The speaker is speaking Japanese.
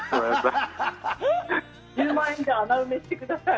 １０万円で穴埋めしてください。